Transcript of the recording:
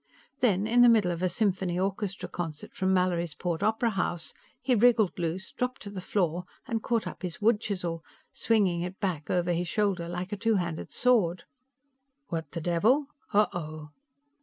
Then, in the middle of a symphony orchestra concert from Mallorysport Opera House, he wriggled loose, dropped to the floor and caught up his wood chisel, swinging it back over his shoulder like a two handed sword. "What the devil? Oh oh!"